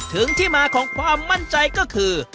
ถึงที่มาของความมั่นใจก็คือ